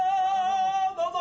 どうぞ！